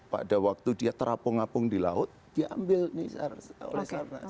pada waktu dia terapung apung di laut dia ambil nih oleh sarnas